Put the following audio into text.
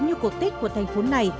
như cổ tích của thành phố này